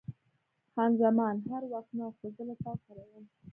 خان زمان: هر وخت نه، خو زه له تا سره یم.